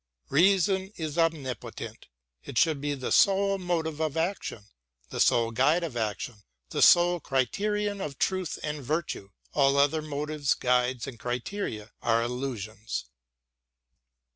Reason is omnipotent : it should be the sole motive of action, the sole guide of action ; the sole criterion of truth and virtue: all other motives, guides, and criteria are illusions.